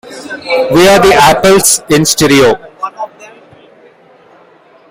We're The Apples, in stereo.